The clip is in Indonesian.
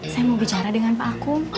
saya mau bicara dengan pak aku